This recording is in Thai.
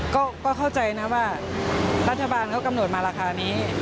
ก็เข้าใจนะว่ารัฐบาลเขากำหนดมาราคานี้